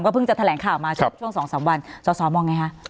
ก็เพิ่งจะแถลงข่าวมาครับช่วงสองสามวันสอบสอบมองไงฮะ